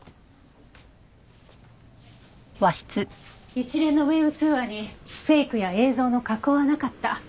一連のＷｅｂ通話にフェイクや映像の加工はなかった。